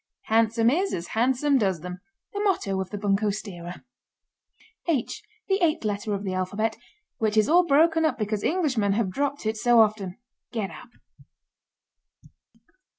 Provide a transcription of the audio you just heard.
"Handsome is as handsome does them" the motto of the bunco steerer. ### H: The eighth letter of the alphabet, which is all broken up because Englishmen have dropped it so often. (Get ap!)